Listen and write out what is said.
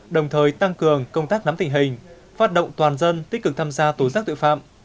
đồng thời tăng cường công tác nắm tình hình phát động toàn dân tích cực tham gia tố giác tội phạm